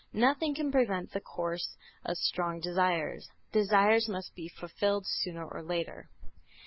Nothing can prevent the course of strong desires. Desires must be fulfilled sooner or later.